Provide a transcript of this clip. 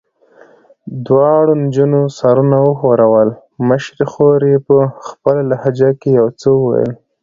دواړو نجونو سرونه وښورول، مشرې خور یې په خپله لهجه کې یو څه وویل.